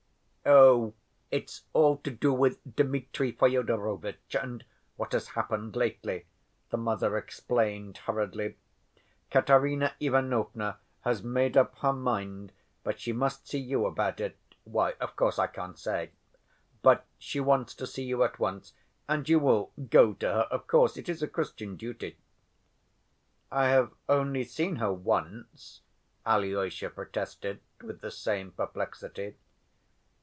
"Oh, it's all to do with Dmitri Fyodorovitch and—what has happened lately," the mother explained hurriedly. "Katerina Ivanovna has made up her mind, but she must see you about it.... Why, of course, I can't say. But she wants to see you at once. And you will go to her, of course. It is a Christian duty." "I have only seen her once," Alyosha protested with the same perplexity.